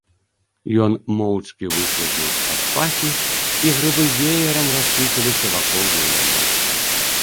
Ён моўчкі выслізнуў з-пад пахі, і грыбы веерам рассыпаліся вакол яе ног.